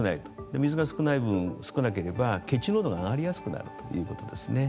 水が少なければ血中濃度が上がりやすくなるということですね。